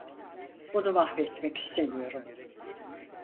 Bunu mahvetmek istemiyorum.